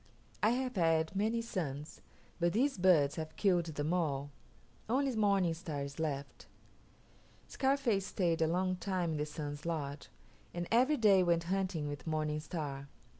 I have had many sons, but these birds have killed them all. Only Morning Star is left." Scarface stayed a long time in the Sun's lodge, and every day went hunting with Morning Star.